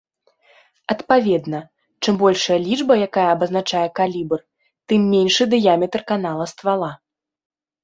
Адпаведна, чым большая лічба, якая абазначае калібр, тым меншы дыяметр канала ствала.